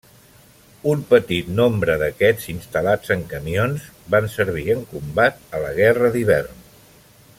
Un petit nombre d'aquests instal·lats en camions van servir en combat a la Guerra d'Hivern.